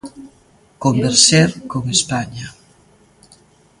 Converxer con España.